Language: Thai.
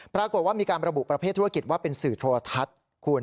ปรากฏว่ามีการระบุประเภทธุรกิจว่าเป็นสื่อโทรทัศน์คุณ